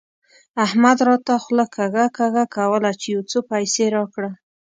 احمد راته خوله کږه کږه کوله چې يو څو پيسې راکړه.